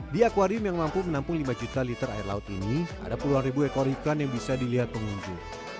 di akwarium yang mampu menampung lima juta liter air laut ini ada puluhan ribu ekor ikan yang bisa dilihat pengunjung